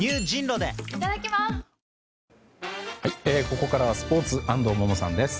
ここからはスポーツ安藤萌々さんです。